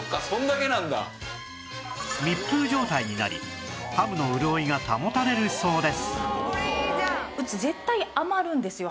密封状態になりハムの潤いが保たれるそうです